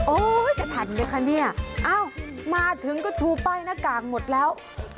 โอ้ยจะถัดมั้ยคะเนี่ยอ้าวมาถึงก็ทูป้ายหน้ากากหมดแล้ว